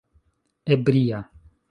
ebria